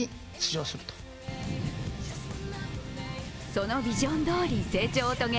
そのビジョンどおり成長を遂げ